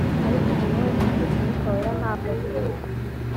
ariko umuntu wese utuka umwuka wera ntabwo ahirwa